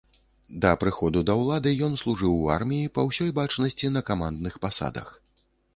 Да прыходу да ўлады ён служыў у арміі, па ўсёй бачнасці, на камандных пасадах.